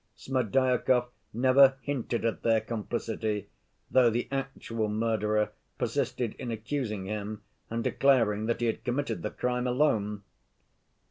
Smerdyakov never hinted at their complicity, though the actual murderer persisted in accusing him and declaring that he had committed the crime alone.